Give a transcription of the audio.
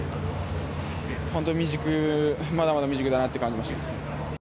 本当、まだまだ未熟だなと感じました。